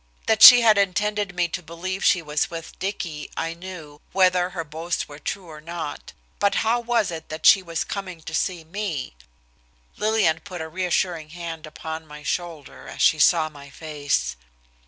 That she had intended me to believe she was with Dicky, I knew, whether her boast were true or not. But how was it that she was coming to see me? Lillian put a reassuring hand upon my shoulder as she saw my face.